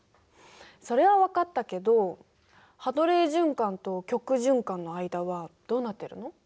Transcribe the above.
それは分かったけどハドレー循環と極循環の間はどうなってるの？